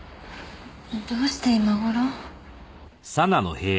どうして今頃？